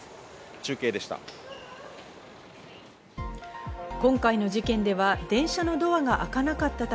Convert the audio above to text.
中継でした。